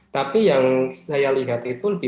tapi yang saya lihat itu lebih